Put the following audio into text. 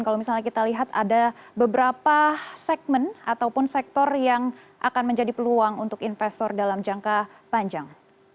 kalau misalnya kita lihat ada beberapa segmen ataupun sektor yang akan menjadi peluang untuk investor dalam jangka panjang